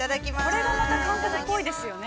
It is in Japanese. ◆これがまた韓国っぽいですよね。